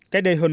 cách đây hơn